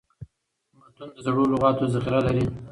متون د زړو لغاتو ذخیره لري.